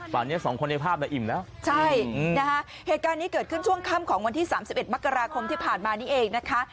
ฝั่งนี้สองคนในภาพน่ะอิ่มแล้วใช่นะคะเหตุการณ์นี้เกิดขึ้นช่วงค่ำของวันที่๓๑มกราคมที่ผ่านมานี่เองนะคะ